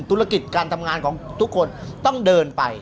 ธุรกิจการทำงานของทุกคนต้องเดินไป